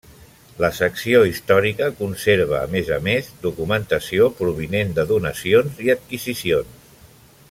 La secció Històrica conserva, a més a més, documentació provinent de donacions i adquisicions.